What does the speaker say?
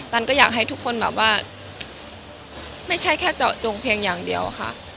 ก็อยากให้ทุกคนแบบว่าไม่ใช่แค่เจาะจงเพียงอย่างเดียวค่ะ